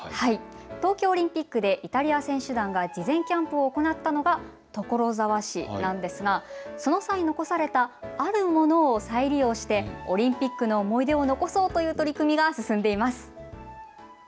東京オリンピックでイタリア選手団が事前キャンプを行ったのが所沢市なんですがその際、残されたあるものを再利用してオリンピックの思い出を残そうという取り組みが進んでいます。